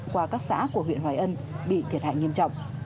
qua các xã của huyện hoài ân bị thiệt hại nghiêm trọng